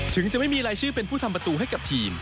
จะไม่มีรายชื่อเป็นผู้ทำประตูให้กับทีม